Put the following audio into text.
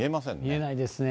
見えないですね。